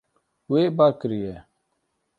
Wê bar kiriye.